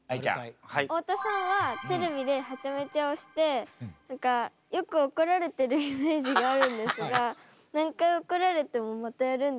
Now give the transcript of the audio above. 太田さんはテレビではちゃめちゃをして何かよく怒られてるイメージがあるんですが何回怒られてもまたやるんですか？